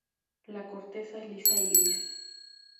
La corteza es lisa, gris.